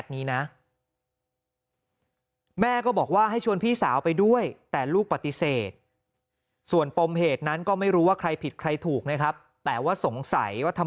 นี่นะฮะแชทนี้นะ